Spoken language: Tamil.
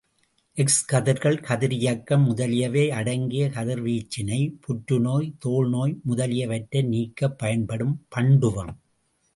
எக்ஸ் கதிர்கள், கதிரியக்கம் முதலியவை அடங்கிய கதிர்வீச்சினைப் புற்றுநோய், தோல் நோய் முதலிய வற்றை நீக்கப் பயன்படும் பண்டுவம்.